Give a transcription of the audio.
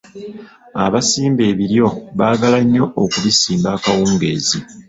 Abasimba ebiryo baagala nnyo okubisimba akawungeezi.